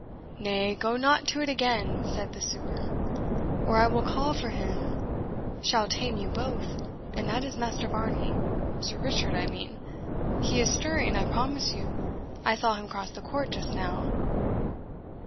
"Nay, go not to it again," said the sewer, "or I will call for him shall tame you both, and that is Master Varney Sir Richard, I mean. He is stirring, I promise you; I saw him cross the court just now."